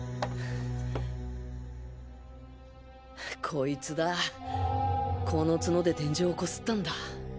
こいつだこの角で天井をこすったんだ